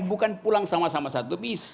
bukan pulang sama sama satu bis